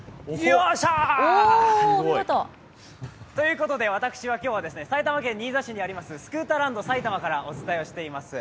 よっしゃー！ということで私は今日は、埼玉県新座市にあるスクーターランド埼玉からお伝えしていてます